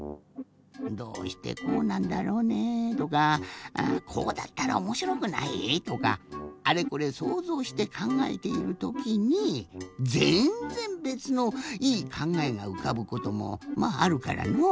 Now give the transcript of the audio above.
どうしてこうなんだろうね？とかこうだったらおもしろくない？とかあれこれそうぞうしてかんがえているときにぜんぜんべつのいいかんがえがうかぶこともまああるからのう。